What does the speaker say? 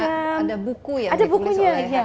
yang dipulis oleh hapisama ada buku ya